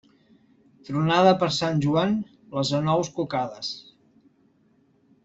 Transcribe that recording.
Tronada per Sant Joan, les anous cucades.